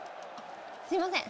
すいません